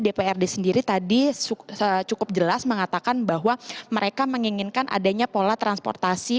dprd sendiri tadi cukup jelas mengatakan bahwa mereka menginginkan adanya pola transportasi